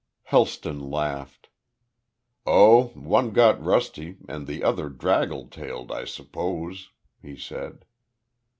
Helston laughed. "Oh, one got rusty and the other draggle tailed, I suppose," he said.